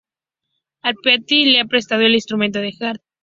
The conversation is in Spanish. A Piatti le fue prestado el instrumento de Herr.